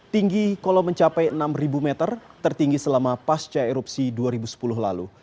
tinggi kolom mencapai enam meter tertinggi selama pasca erupsi dua ribu sepuluh lalu